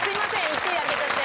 １位開けちゃって。